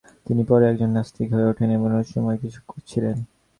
তিনি পরে একজন নাস্তিক হয়ে ওঠেন এবং রহস্যময় কিছু ছিলেন।